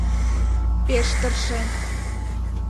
пеш тыршен